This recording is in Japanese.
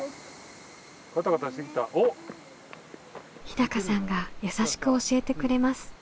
日高さんが優しく教えてくれます。